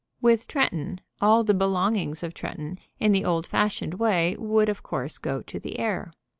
With Tretton, all the belongings of Tretton, in the old fashioned way, would, of course, go to the heir.